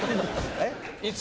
えっ？